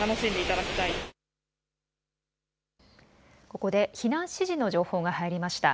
ここで避難指示の情報が入りました。